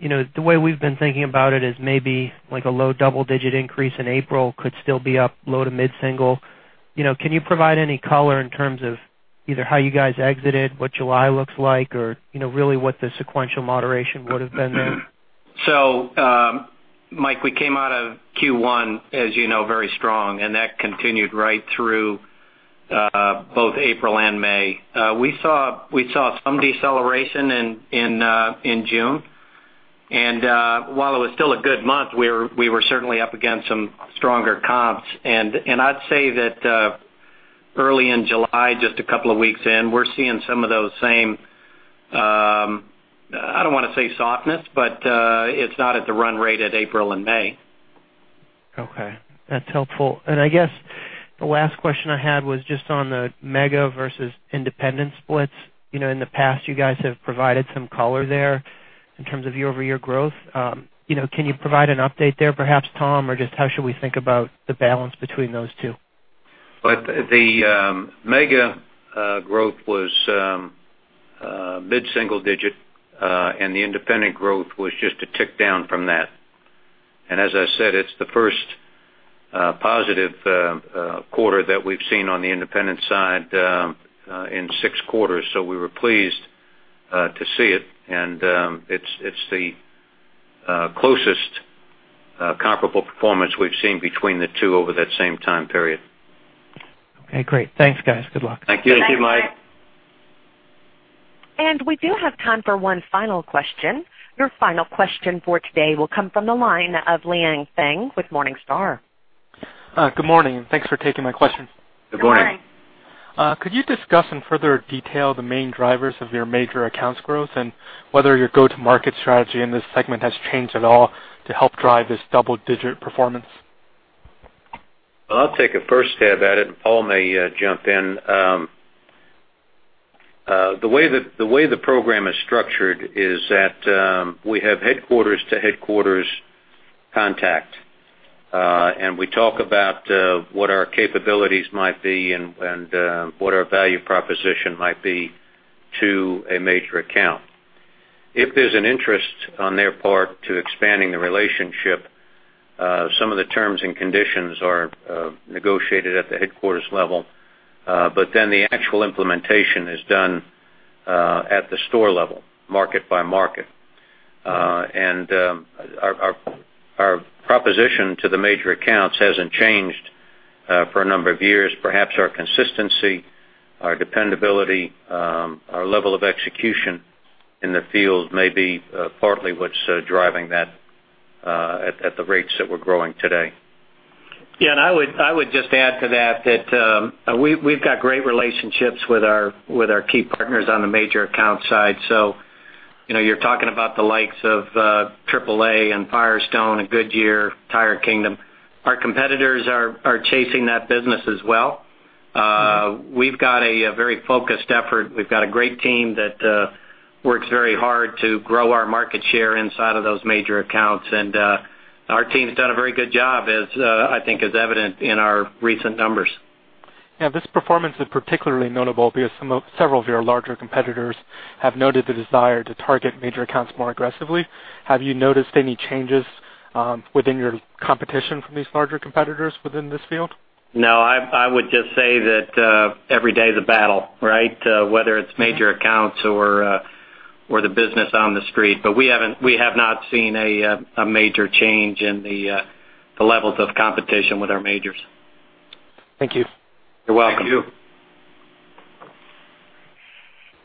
the way we've been thinking about it is maybe like a low double-digit increase in April could still be up low to mid-single. Can you provide any color in terms of either how you guys exited, what July looks like, or really what the sequential moderation would've been there? Mike, we came out of Q1, as you know, very strong, and that continued right through both April and May. We saw some deceleration in June. While it was still a good month, we were certainly up against some stronger comps. I'd say that early in July, just a couple of weeks in, we're seeing some of those same, I don't want to say softness, but it's not at the run rate at April and May. Okay. That's helpful. I guess the last question I had was just on the mega versus independent splits. In the past, you guys have provided some color there in terms of year-over-year growth. Can you provide an update there perhaps, Tom, or just how should we think about the balance between those two? The mega growth was mid-single digit, and the independent growth was just a tick down from that. As I said, it's the first positive quarter that we've seen on the independent side in six quarters. We were pleased to see it, and it's the closest comparable performance we've seen between the two over that same time period. Okay, great. Thanks, guys. Good luck. Thank you. Thanks. Thank you, Mike. We do have time for one final question. Your final question for today will come from the line of Liang Feng with Morningstar. Good morning. Thanks for taking my question. Good morning. Good morning. Could you discuss in further detail the main drivers of your Major Accounts growth and whether your go-to-market strategy in this segment has changed at all to help drive this double-digit performance? Well, I'll take a first stab at it, and Paul may jump in. The way the program is structured is that we have headquarters-to-headquarters contact, and we talk about what our capabilities might be and what our value proposition might be to a Major Account. If there's an interest on their part to expanding the relationship, some of the terms and conditions are negotiated at the headquarters level. The actual implementation is done at the store level, market by market. Our proposition to the Major Accounts hasn't changed for a number of years. Perhaps our consistency, our dependability, our level of execution in the field may be partly what's driving that at the rates that we're growing today. Yeah, I would just add to that we've got great relationships with our key partners on the Major Account side. You're talking about the likes of AAA and Firestone and Goodyear, Tire Kingdom. Our competitors are chasing that business as well. We've got a very focused effort. We've got a great team that works very hard to grow our market share inside of those Major Accounts. Our team's done a very good job, I think is evident in our recent numbers. Yeah, this performance is particularly notable because several of your larger competitors have noted the desire to target Major Accounts more aggressively. Have you noticed any changes within your competition from these larger competitors within this field? No, I would just say that every day is a battle, right? Whether it's Major Accounts or the business on the street. We have not seen a major change in the levels of competition with our majors. Thank you. You're welcome.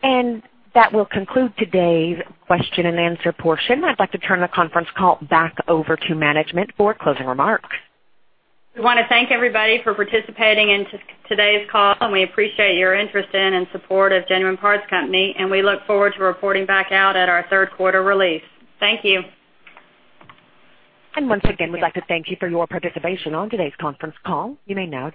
Thank you. That will conclude today's question and answer portion. I'd like to turn the conference call back over to management for closing remarks. We want to thank everybody for participating in today's call. We appreciate your interest in and support of Genuine Parts Company. We look forward to reporting back out at our third quarter release. Thank you. Once again, we'd like to thank you for your participation on today's conference call. You may now disconnect.